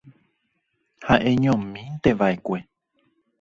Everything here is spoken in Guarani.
Ha'eñomínteva'ekue.